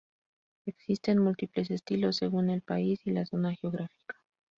Existen múltiples estilos según el país y la zona geográfica.